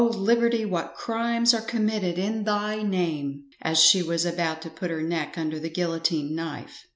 liberty, what crimes are committed in thy name," as she was about to put her neck under the guillotine knife.